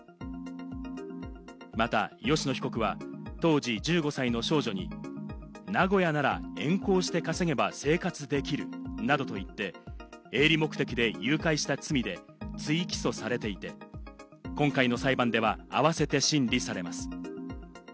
また吉野被告は当時１５歳の少女に名古屋なら援交して稼げば生活できるなどと言って営利目的で誘拐した罪で追起訴されていて、今回の裁判ではあわせて審理されます。